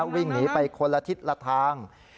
วิ่งหนีไปคนละทิศละทาง